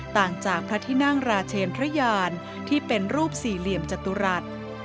ต่างจากพระที่นั่งราชเชนพระยานที่เป็นรูปสี่เหลี่ยมจตุรัส